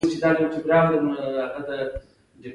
د حنیف اتمر په څېر یو څوک هم شته.